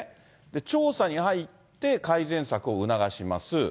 調査に入って改善策を促します。